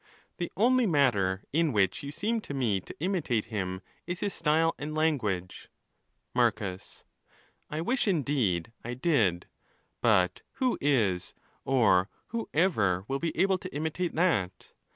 The only matter in which you seem to me to imitate him, is his style and language. Marcus.—I wish, indeed, I did, but who is, or who ever will be able to imitate that?